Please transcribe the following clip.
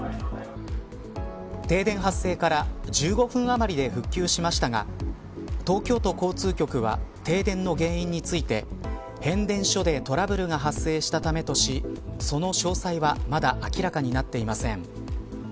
停電発生から１５分間あまりで復旧しましたが東京都交通局は停電の原因について変電所でトラブルが発生したためとしその詳細はまだ明らかになっていません。